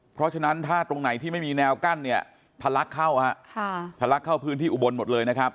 เพราะฉะนั้นถ้าตรงไหนที่ไม่มีแนวกั้นเนี่ยทะลักเข้าฮะทะลักเข้าพื้นที่อุบลหมดเลยนะครับ